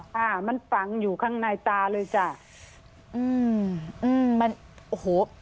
ค่ะมันฝังอยู่ข้างในตาเลยจ้ะอืมอืมมันโอ้โห